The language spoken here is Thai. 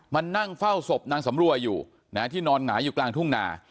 มานั่งเฝ้าศพนางสำรวยอยู่ที่นอนหงายอยู่กลางทุ่งนา